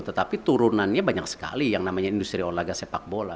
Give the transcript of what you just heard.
tetapi turunannya banyak sekali yang namanya industri olahraga sepak bola